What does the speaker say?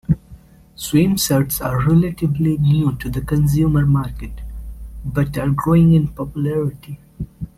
Swim shirts are relatively new to the consumer market, but are growing in popularity.